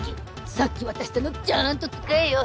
さっき渡したのちゃんと使えよ。